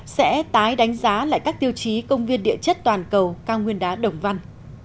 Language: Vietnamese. sẽ tái đánh giá lại các tiêu chí công viên địa chất toàn cầu cao nguyên đá đồng văn